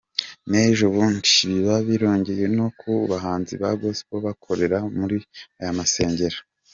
nejo bundi biba birongeye no ku bahanzi ba gospel bakorera muri aya masengero.